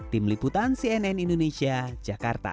tim liputan cnn indonesia jakarta